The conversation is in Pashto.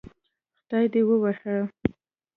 خدای دې ووهه